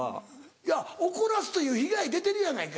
いや怒らすという被害出てるやないか